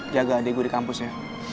jaga adek gue di kampus ya